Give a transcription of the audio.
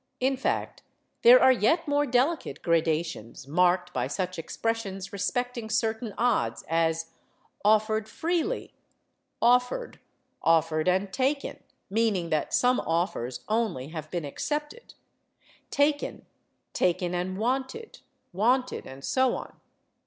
In fact, there are yet more delicate gradations, marked by such expressions respecting certain odds, as—offered freely, offered, offered and taken (meaning that some offers only have been accepted), taken, taken and wanted, wanted, and so on.